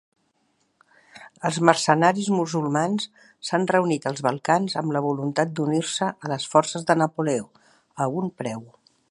Els mercenaris musulmans s'han reunit als Balcans amb la voluntat d'unir-se a les forces de Napoleó, a un preu.